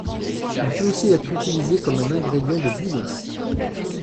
Il peut aussi être utilisé comme un ingrédient de bouillon.